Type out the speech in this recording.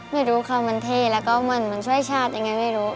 ไม่รู้ค่ะมันเท่แล้วก็เหมือนมันช่วยชาติยังไงไม่รู้